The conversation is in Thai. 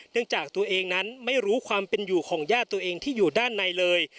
จากตัวเองนั้นไม่รู้ความเป็นอยู่ของญาติตัวเองที่อยู่ด้านในเลย